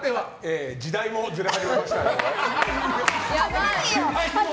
時代もずれ始めましたね。